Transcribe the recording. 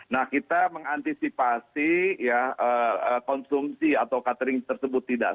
nah kita mengantisipasi ya konsumsi atau catering tersebut tidak